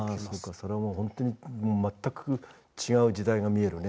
それはもうほんとに全く違う時代が見えるね。